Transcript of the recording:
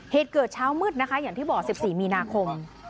เหตุเกิดเช้ามืดนะคะอย่างที่บอก๑๔มีนาคม